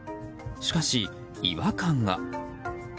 しかし、違和感が。